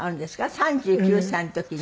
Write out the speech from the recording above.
３９歳の時に。